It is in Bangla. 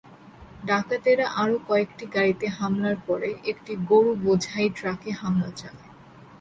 ডাকাতেরা আরও কয়েকটি গাড়িতে হামলার পরে একটি গরুবোঝাই ট্রাকে হামলা চালায়।